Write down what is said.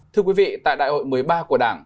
thưa quý vị tại đại hội một mươi ba của đảng